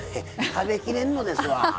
食べきれんのですわ。